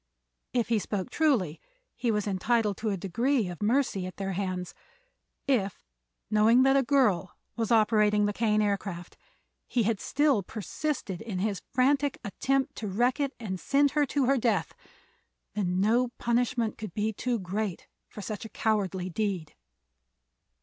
If he spoke truly he was entitled to a degree of mercy at their hands; if, knowing that a girl was operating the Kane Aircraft, he had still persisted in his frantic attempt to wreck it and send her to her death, then no punishment could be too great for such a cowardly deed.